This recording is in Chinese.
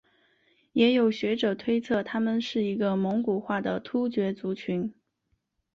也有学者推测他们是一个蒙古化的突厥族群。